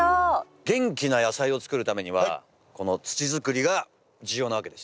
元気な野菜を作るためにはこの土づくりが重要なわけですよね？